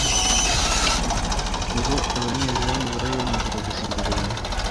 ubwo abanyezamu bari bamaze gusimburana